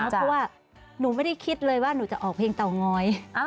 เพราะว่าหนูไม่ได้คิดเลยว่าหนูจะออกเพลงเตาง้อย